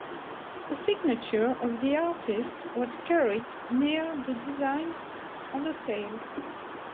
The signature of the artist was carried near the design on the tail.